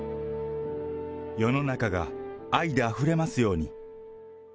世の中が愛であふれますように。